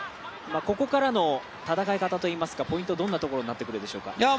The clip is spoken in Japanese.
ここからの戦い方といいますかポイント、どんなところになってくるでしょうか。